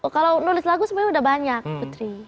kalau nulis lagu sebenarnya udah banyak putri